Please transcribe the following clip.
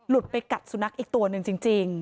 ลุดไปกัดซูนักอีกตัวหนึ่งจริง